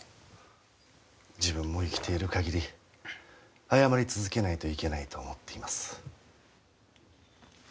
自分も生きている限り謝り続けないといけないと思っています。